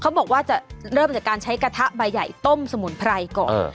บอกว่าจะเริ่มจากการใช้กระทะใบใหญ่ต้มสมุนไพรก่อน